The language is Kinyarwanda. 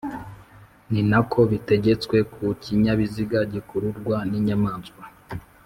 Ni nako bitegetswe ku kinyabiziga gikururwa n'inyamaswa